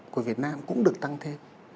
của việt nam cũng được tăng thêm